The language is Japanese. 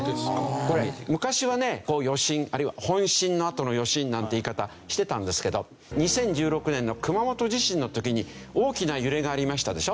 これ昔はね「余震」あるいは「本震のあとの余震」なんて言い方してたんですけど２０１６年の熊本地震の時に大きな揺れがありましたでしょ。